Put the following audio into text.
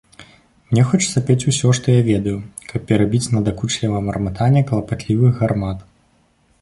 Мне хочацца пець усё, што я ведаю, каб перабіць надакучлівае мармытанне клапатлівых гармат.